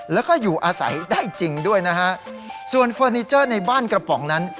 แล้วก็อยู่อาศัยได้จริงด้วยนะฮะส่วนเฟอร์นิเจอร์ในบ้านกระป๋องนั้น